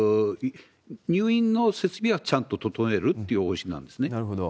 入院の設備はちゃんと整えるという方針なんですね。